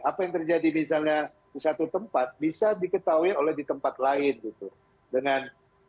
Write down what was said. apa yang terjadi misalnya di satu tempat bisa diketahui oleh di tempat lain gitu dengan